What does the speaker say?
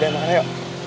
yaudah makan yuk